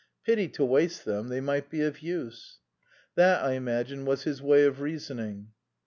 "Pity to waste them, they might be of use." That, I imagine, was his way of reasoning.